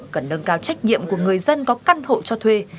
cần nâng cao trách nhiệm của người dân có căn hộ cho thuê